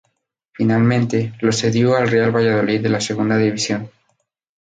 Finalmente, lo cedió al Real Valladolid de Segunda División.